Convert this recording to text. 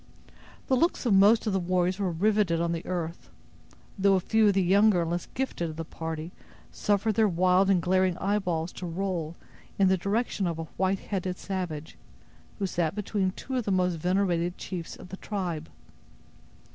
The looks of most of the warriors were riveted on the earth; though a few of the younger and less gifted of the party suffered their wild and glaring eyeballs to roll in the direction of a white headed savage, who sat between two of the most venerated chiefs of the tribe.